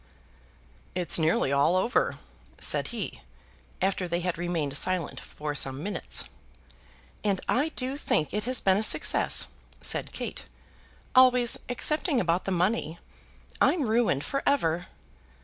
"It's nearly all over," said he, after they had remained silent for some minutes. "And I do think it has been a success," said Kate. "Always excepting about the money. I'm ruined for ever."